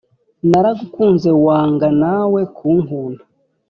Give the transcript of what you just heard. naragukunze wanga nawe kunkunda